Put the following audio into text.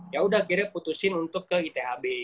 yaudah akhirnya putusin untuk ke ithb gitu